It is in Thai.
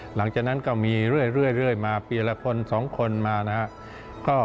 หลังจากนั้นก็มีเรื่อยมาปีละคน๒คนมานะครับ